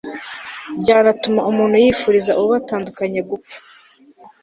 byanatuma umuntu yifuriza uwo batandukanye gupfa